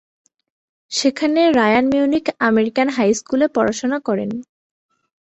সেখানে Ryan Munich American high স্কুলে পড়াশোনা করেন।